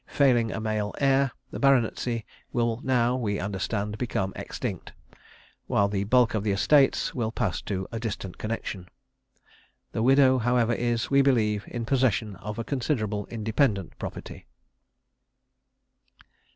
Failing a male heir, the baronetcy will now, we understand, become extinct, while the bulk of the estates will pass to a distant connection. The widow, however, is, we believe, in possession of a considerable independent property."